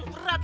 ya udah duki